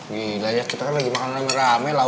gila ya kita kan lagi makan sama ramai lah